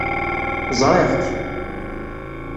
Ẓriɣ-k.